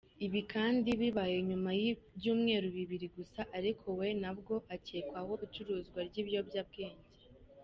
Ibi kandi bibaye nyuma y’ibyumweru bibiri gusa arekuwe nabwo akekwaho icuruzwa ry’ibiyobyabwenge.